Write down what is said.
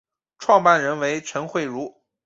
创办人为陈惠如。